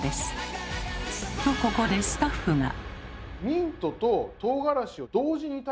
ここでスタッフが。